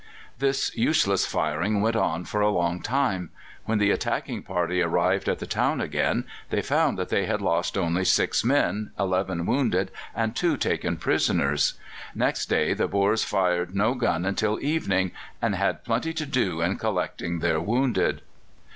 This useless firing went on for a long time. When the attacking party arrived at the town again, they found they had lost only six men, eleven wounded, and two taken prisoners. Next day the Boers fired no gun until evening, and had plenty to do in collecting their wounded.